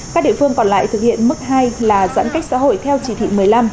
các địa phương còn lại thực hiện mức hai là giãn cách xã hội theo chỉ thị một mươi năm